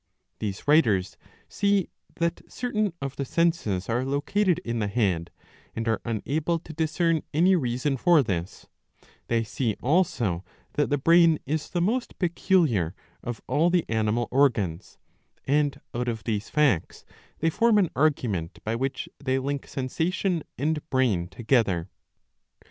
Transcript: These writers see that certain of the senses are located in the head, and are unable to discern any reason for this ; they see also that the brain is the most peculiar of all the animal organs ; and out of these facts they form an argument, by which they link sensation and brain together.